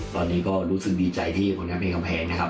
ตอนนี้ก็รู้สึกดีใจที่ผลงานเพลงของแพร่นะครับ